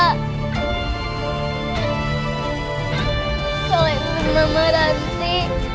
kalau ibu dan mama nanti